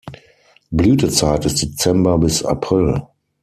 Blütezeit ist Dezember bis April.